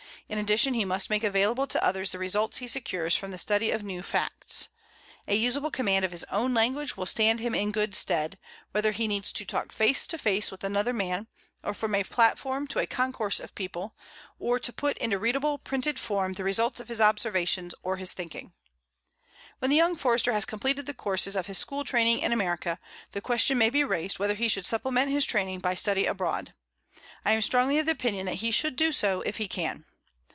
In addition, he must make available to others the results he secures from the study of new facts. A usable command of his own language will stand him in good stead, whether he needs to talk face to face with another man, or from a platform to a concourse of people, or to put into readable printed form the results of his observations or his thinking. When the young Forester has completed the courses of his school training in America, the question may be raised whether he should supplement his training by study abroad. I am strongly of opinion that he should do so if he can.